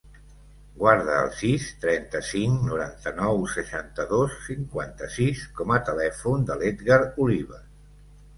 Guarda el sis, trenta-cinc, noranta-nou, seixanta-dos, cinquanta-sis com a telèfon de l'Edgar Olives.